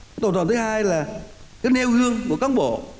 cái tổn thống thứ hai là cái nêu gương của cán bộ